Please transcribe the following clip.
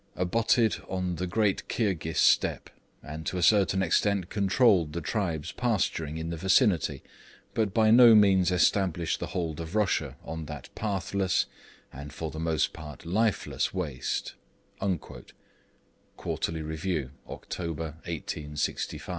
] 'abutted on the great Kirghis Steppe, and to a certain extent controlled the tribes pasturing in the vicinity, but by no means established the hold of Russia on that pathless, and for the most part lifeless, waste.'